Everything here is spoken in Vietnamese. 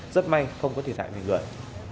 rất may không có thiệt hại nguyên lợi